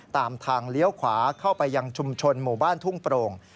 ตามทางเลี้ยวขวาเข้าไปยังชุมชนหมู่บ้านทุ่งโปร่ง